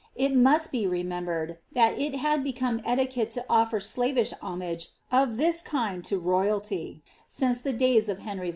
It must be remembered that it had become etiquette to o^r slavish homage of this kind to royalty, since the days of Henry V.